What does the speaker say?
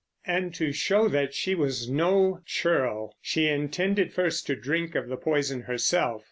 And to show that she "was no churl," she intended first to drink of the poison herself.